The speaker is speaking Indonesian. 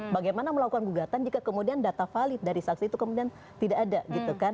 bagaimana melakukan gugatan jika kemudian data valid dari saksi itu kemudian tidak ada gitu kan